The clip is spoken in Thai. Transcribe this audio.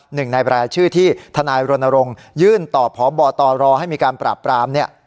หนึ่งในรายชื่อที่ทนายรณรงค์ยื่นต่อพบตรให้มีการปราบปรามเนี่ย